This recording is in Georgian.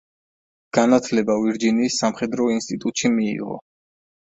განათლება ვირჯინიის სამხედრო ინსტიტუტში მიიღო.